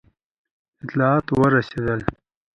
اطلاعات ورسېدل.